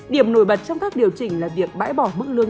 điểm nổi bật trong các điều chỉnh là việc bãi bỏ mức lương